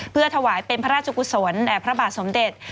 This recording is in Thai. เพื่อถวายเป็นพระราชกุศลแด่พระบาทสมเด็จ